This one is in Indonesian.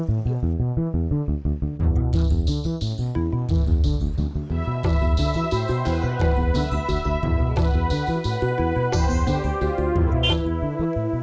sampai jumpa lagi